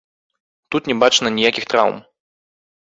Тут не бачна ніякіх траўм.